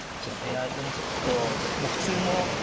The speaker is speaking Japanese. いやでもちょっともう普通の振り